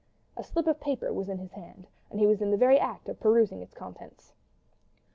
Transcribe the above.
A slip of paper was in his hand, and he was in the very act of perusing its contents.